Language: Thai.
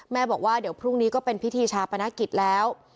บอกว่าเดี๋ยวพรุ่งนี้ก็เป็นพิธีชาปนกิจแล้ว